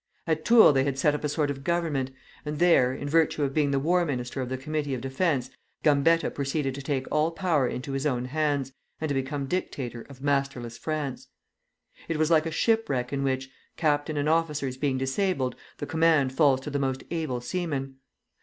At Tours they had set up a sort of government, and there, in virtue of being the War Minister of the Committee of Defence, Gambetta proceeded to take all power into his own hands, and to become dictator of masterless France. It was like a shipwreck in which, captain and officers being disabled, the command falls to the most able seaman.